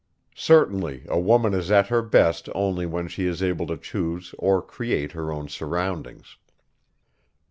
Certainly a woman is at her best only when she is able to choose or create her own surroundings.